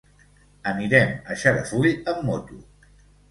Anirem a Xarafull amb moto.